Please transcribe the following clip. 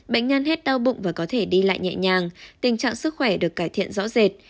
bệnh nhân hết đau bụng và có thể đi lại nhẹ nhàng tình trạng sức khỏe được cải thiện rõ rệt